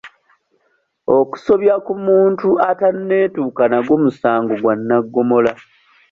Obusobya ku muntu ataneetuuka nagwo musango gwa nnaggomola.